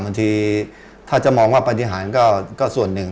บางทีถ้าจะมองว่าปฏิหารก็ส่วนหนึ่ง